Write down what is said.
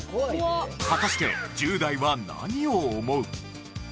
果たして１０代は何を思う？